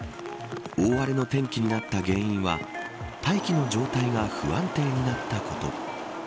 大荒れの天気になった原因は大気の状態が不安定になったこと。